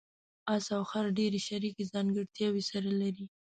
اس او خر ډېرې شریکې ځانګړتیاوې سره لري.